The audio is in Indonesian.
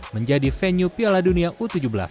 menjadi venue piala dunia u tujuh belas